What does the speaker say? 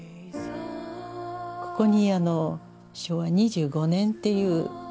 ここに昭和２５年っていう。